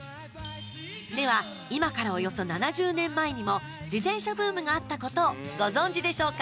では、今からおよそ７０年前にも自転車ブームがあったことをご存じでしょうか？